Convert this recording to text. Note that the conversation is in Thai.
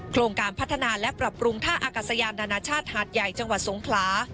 โครงการพัฒนาและปรับปรุงท่าอากาศยานนานาชาติหาดใหญ่จังหวัดสงขลา